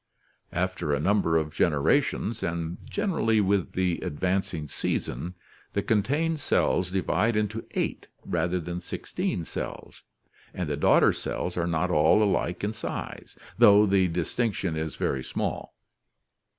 After a number of generations, and generally with the advancing season, the contained cells divide into eight rather than sixteen cells, and the daughter cells are not all alike in size, though the dis tinction is very small.